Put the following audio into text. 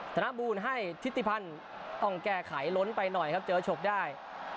ธนบูลให้ทิศิพันธ์ต้องแก้ไขล้นไปหน่อยครับเจอฉกได้